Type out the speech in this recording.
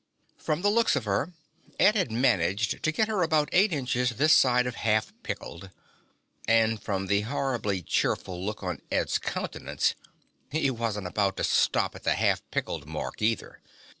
From the looks of her, Ed had managed to get her about eight inches this side of half pickled. And from the horribly cheerful look on Ed's countenance, he wasn't about to stop at the half pickled mark, either.